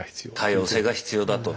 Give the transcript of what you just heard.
多様性が必要だと。